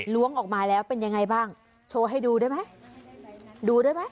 ล้วงออกมาแล้วเป็นยังไงบ้างโชว์ให้ดูได้ไหม